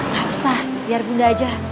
gak usah biar gunda aja